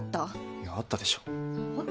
いやあったでしょはっ？